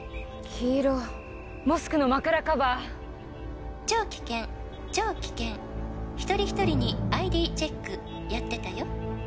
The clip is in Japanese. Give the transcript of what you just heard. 黄色モスクの枕カバー「超危険超危険」「一人一人にＩＤチェックやってたよ」